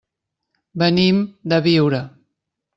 Venim de Biure.